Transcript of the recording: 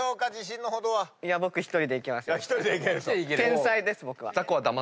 天才です僕は。